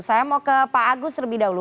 saya mau ke pak agus terlebih dahulu